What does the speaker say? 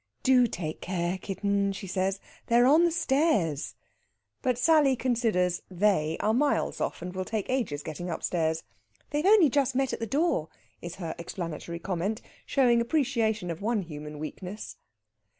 "Do take care, kitten," she says. "They're on the stairs." But Sally considers "they" are miles off, and will take ages getting upstairs. "They've only just met at the door," is her explanatory comment, showing appreciation of one human weakness.